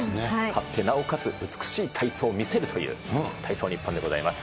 勝って、なおかつ美しい体操を見せるという、体操ニッポンでございます。